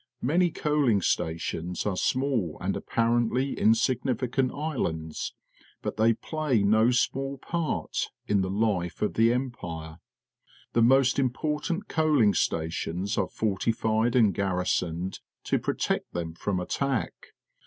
Many coaling stations are small and apparently insignificant islands, but they play no small part m the Ufe of the Empire. The most unportant coaling sta tions are fortified and garrisoned to protect them from attack.